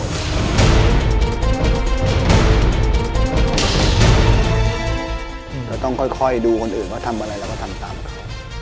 เราต้องค่อยดูคนอื่นว่าทำอะไรเราก็ทำตามเรา